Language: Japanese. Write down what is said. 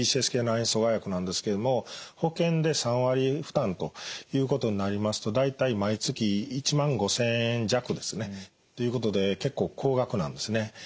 ９阻害薬なんですけれども保険で３割負担ということになりますと大体毎月１５，０００円弱ですね。ということで結構高額なんですね。